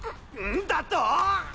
んだとぉ！？